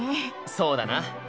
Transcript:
そうだな。